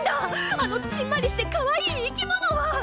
あのちんまりしてかわいい生き物は！